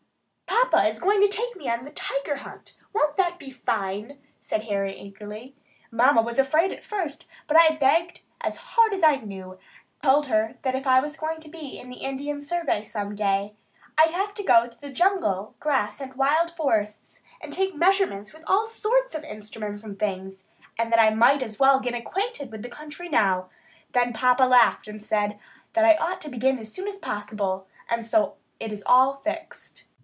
"Papa is going to take me on the tiger hunt, too. Won't that be fine!" said Harry, eagerly. "Mamma was afraid at first, but I begged as hard as I knew, and told her that if I was going to be in the Indian Survey some day, I'd have to go through the jungle grass and wild forests, and take measurements with all sorts of instruments and things, and that I might as well get acquainted with the country now. Then papa laughed and said that I ought to begin as soon as possible, and so it is all fixed.